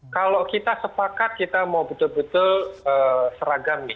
kalau kita sepakat kita mau betul betul seragam nih